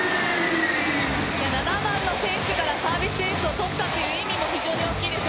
７番の選手からサービスエースを取ったという意味も非常に大きいです。